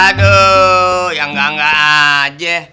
aduh ya enggak enggak aja